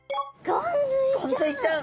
ゴンズイちゃん。